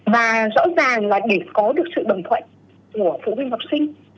và rõ ràng là để có được sự đồng thuận của phụ huynh học sinh